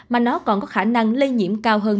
mà nó còn có khả năng lây nhiễm cao hơn